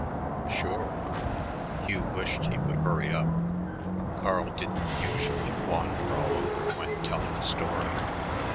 "Sure." Hugh wished he would hurry up. Carl didn't usually wander all over when telling a story.